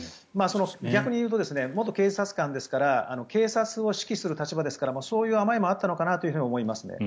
逆に言うと、元検察官ですから警察を指揮する立場ですからそういう甘えもあったのかなと思いますね。